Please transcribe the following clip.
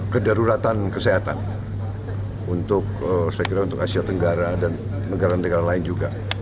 kedaruratan kesehatan untuk saya kira untuk asia tenggara dan negara negara lain juga